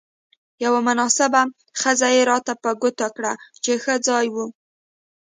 یوه مناسبه خزه يې راته په ګوته کړه، چې ښه ځای وو.